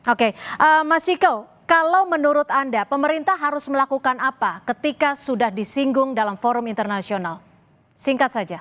oke mas ciko kalau menurut anda pemerintah harus melakukan apa ketika sudah disinggung dalam forum internasional singkat saja